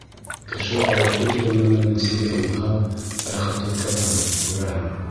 Кеше ауыртыу тигән нәмәнең сиген уҙһа, рәхәтлеккә тарый, күрәһең.